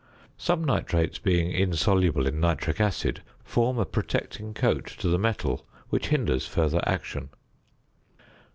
Some nitrates being insoluble in nitric acid, form a protecting coat to the metal which hinders further action.